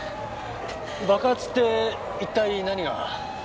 爆発って一体何が？